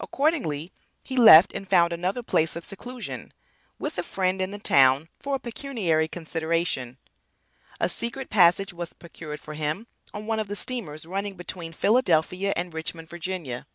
Accordingly he left and found another place of seclusion with a friend in the town for a pecuniary consideration. A secret passage was procured for him on one of the steamers running between Philadelphia and Richmond, Va.